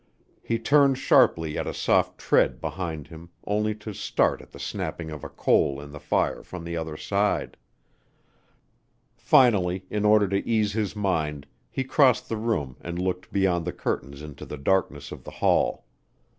He turned sharply at a soft tread behind him only to start at the snapping of a coal in the fire from the other side. Finally, in order to ease his mind, he crossed the room and looked beyond the curtains into the darkness of the hall.